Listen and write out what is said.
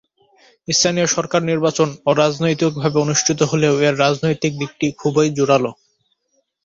স্থানীয় সরকার নির্বাচন অরাজনৈতিকভাবে অনুষ্ঠিত হলেও এর রাজনৈতিক দিকটি খুবই জোরালো।